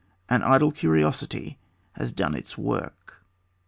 An idle curiosity has done its work.